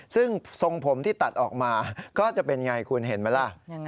ซึ่งทรงผมที่ตัดออกมาก็จะเป็นไงคุณเห็นไหมล่ะ